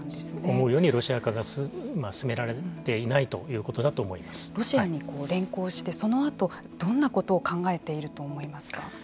思うようにロシア化が進められていないとロシアに連行してそのあとどんなことを考えていると思いますか。